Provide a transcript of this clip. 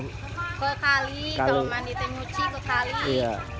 kekali kalau mandi tenguci kekali